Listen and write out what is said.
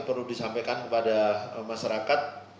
perlu disampaikan kepada masyarakat